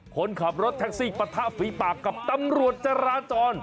คนขับรถแท็กซี่ปะทะฝีปากกับตำรวจจราจร